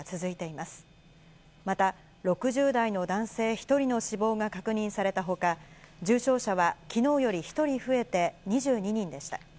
また、６０代の男性１人の死亡が確認されたほか、重症者はきのうより１人増えて２２人でした。